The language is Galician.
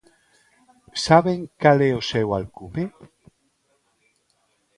Saben cal é o seu alcume?